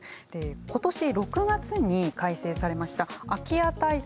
今年６月に改正されました空き家対策